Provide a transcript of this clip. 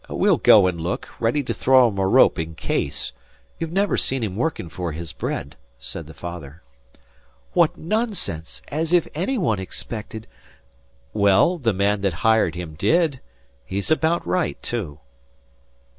"We'll go and look, ready to throw him a rope in case. You've never seen him working for his bread," said the father. "What nonsense! As if any one expected " "Well, the man that hired him did. He's about right, too."